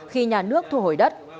khi nhà nước thu hồi đất